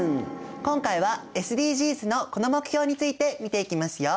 今回はＳＤＧｓのこの目標について見ていきますよ。